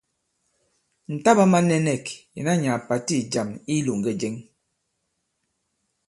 Ŋ̀ taɓā mānɛ̄nɛ̂k ìnà nyàà pàti ì jàm i ilōŋgɛ jɛŋ.